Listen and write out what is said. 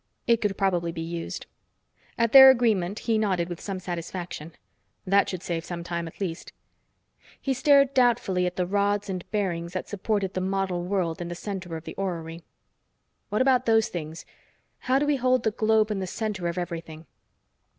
It could probably be used. At their agreement, he nodded with some satisfaction. That should save some time, at least. He stared doubtfully at the rods and bearings that supported the model world in the center of the orrery. "What about those things? How do we hold the globe in the center of everything?"